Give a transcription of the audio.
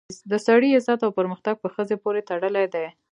د سړي عزت او پرمختګ په ښځې پورې تړلی دی